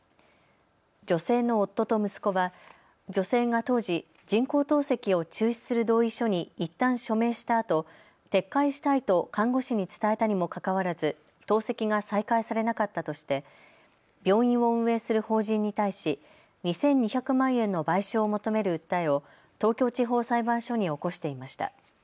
女性の夫と息子は女性が当時、人工透析を中止する同意書にいったん署名したあと撤回したいと看護師に伝えたにもかかわらず透析が再開されなかったとして病院を運営する法人に対し、２２００万円の賠償を求める訴えを東京地方裁判所に起こしていました。